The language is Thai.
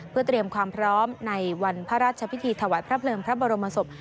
เพื่อเตรียมความพร้อมในวันพระราชพิธีถวายพระเพลิงพระบรมศพ